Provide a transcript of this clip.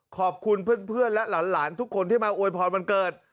ขอบคุณเพื่อนและหลานทุกคนที่มาอวยพรวันเกิด